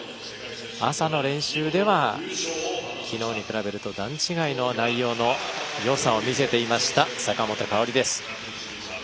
朝の練習では、昨日に比べると段違いの内容のよさを見せていました、坂本花織。